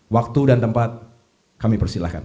waktu dan tempat kami persilahkan